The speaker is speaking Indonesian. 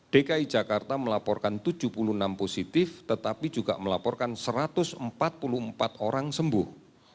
dki jakarta melaporkan tujuh puluh enam positif tetapi juga melaporkan satu ratus empat puluh empat orang sembuh